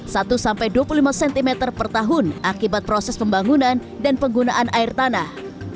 satu sampai dua puluh lima cm per tahun akibat proses pembangunan dan penggunaan air tanah